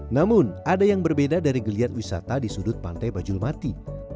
namun ada yang berbeda dari geliat wisata di sudut pantai bajulmati